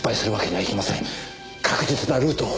確実なルートを。